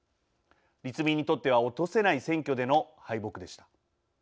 立民にとっては落とせない選挙での敗北でした。